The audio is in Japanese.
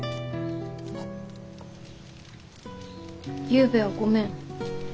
ゆうべはごめん。